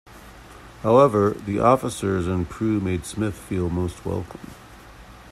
However, the officers and crew made Smith feel most welcome.